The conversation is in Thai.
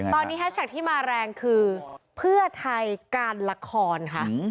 ตอนนี้แฮชแท็กที่มาแรงคือเพื่อไทยการละครค่ะ